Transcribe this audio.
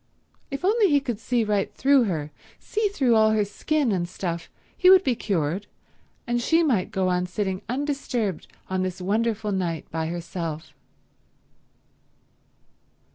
If only he could see right through her, see through all her skin and stuff, he would be cured, and she might go on sitting undisturbed on this wonderful night by herself.